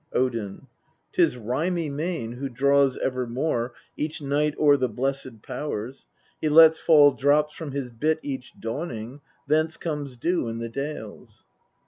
45 Odin. 14. 'Tis Rimy Mane who draws evermore each Night o'er the blessed Powers; he lets fall drops from his bit each dawning ; thence comes dew in the dales.